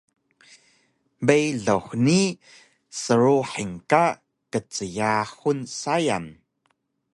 beyluh ni sruhing ka kjyaxun sayang